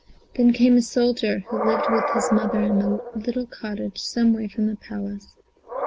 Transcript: Then came a soldier, who lived with his mother in a little cottage some way from the Palace.